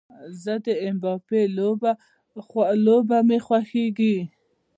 زه د ایم با في لوبه مې خوښیږي